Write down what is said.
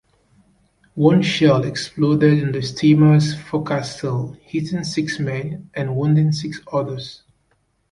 One shell exploded in the steamer's forecastle hitting six men and wounding six others.